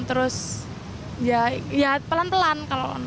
terus ya pelan pelan kalau naik sepeda